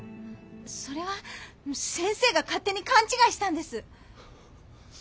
それは先生が勝手にかんちがいしたんです。